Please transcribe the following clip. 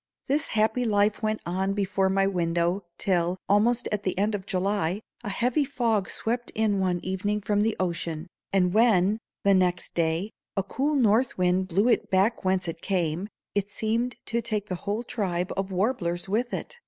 This happy life went on before my window till, almost at the end of July, a heavy fog swept in one evening from the ocean, and when, the next day, a cool north wind blew it back whence it came, it seemed to take the whole tribe of warblers with it.